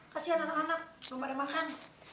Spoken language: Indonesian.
kasihan anak anak belum pada makan